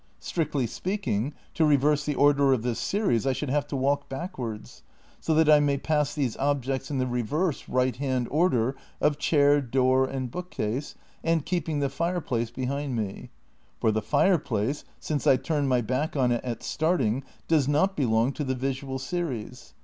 Strictly speaking, to re verse the order of this series I should have to walk backwards, so that I may pass these objects in the reverse right hand order of chair, door, and bookcase, and keeping the fireplace behind me ; for the fireplace, since I turned my back on it at starting, does not be long to the visual series.